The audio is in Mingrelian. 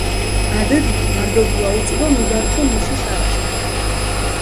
ბადიდიქ მარდობა უწუ დო მიდართჷ მუში შარაშა.